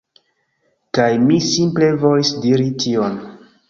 Kaj mi simple volis diri tion.